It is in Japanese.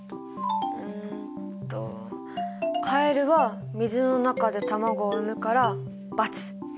うんとカエルは水の中で卵を産むから×。